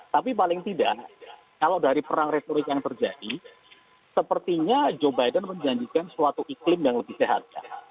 tapi paling tidak kalau dari perang retorik yang terjadi sepertinya joe biden menjanjikan suatu iklim yang lebih sehat